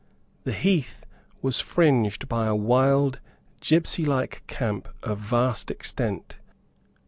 The heath was fringed by a wild gipsylike camp of vast extent.